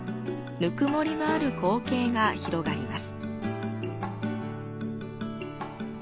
温もりのある光景が広がります。